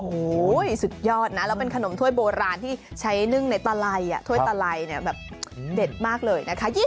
โอ้โหสุดยอดนะแล้วเป็นขนมถ้วยโบราณที่ใช้นึ่งในตะไลถ้วยตะไลเนี่ยแบบเด็ดมากเลยนะคะ